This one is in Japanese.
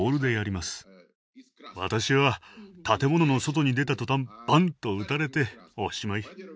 私は建物の外に出た途端「バン！」と撃たれておしまい。